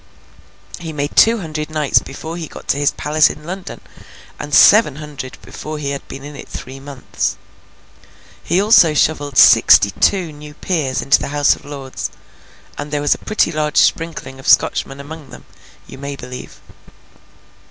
He made two hundred knights before he got to his palace in London, and seven hundred before he had been in it three months. He also shovelled sixty two new peers into the House of Lords—and there was a pretty large sprinkling of Scotchmen among them, you may believe.